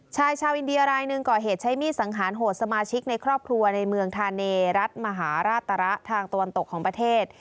ชายชาวอินเดียรายหนึ่งก่อเหตุใช้มีดสังหารโหดสมาชิกในครอบครัวในเมืองธานีรัฐมหาราชตระทางตะวันตกของประเทศ